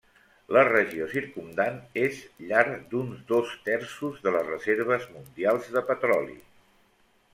La regió circumdant és llar d'uns dos terços de les reserves mundials de petroli.